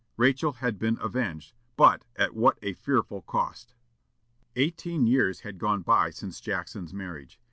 Rachel had been avenged, but at what a fearful cost! Eighteen years had gone by since Jackson's marriage.